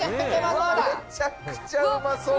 めちゃくちゃうまそうだ！